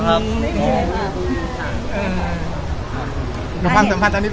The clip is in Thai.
หลายคนชิดจริงแล้วค่ะพี่เต๋อ